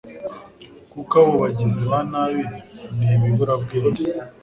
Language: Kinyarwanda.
Koko abo bagizi ba nabi ni ibiburabwenge